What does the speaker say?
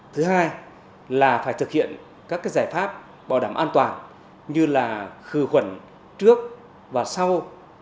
thứ hai là phải thực hiện các giải pháp bảo đảm an toàn như là khử khuẩn trước và sau